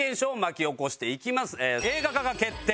映画化が決定